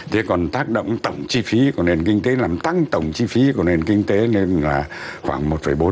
thế còn tác động tổng chi phí của nền kinh tế làm tăng tổng chi phí của nền kinh tế lên là khoảng một bốn